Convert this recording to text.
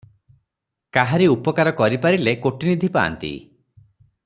କାହାରି ଉପକାର କରିପାରିଲେ କୋଟିନିଧି ପାଆନ୍ତି ।